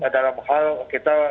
dalam hal kita